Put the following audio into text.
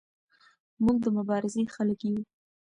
موږ د مبارزې خلک یو.